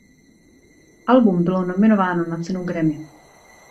Album bylo nominováno na cenu Grammy.